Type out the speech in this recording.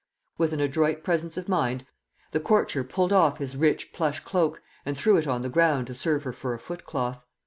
With an adroit presence of mind, the courtier pulled off his rich plush cloak and threw it on the ground to serve her for a footcloth.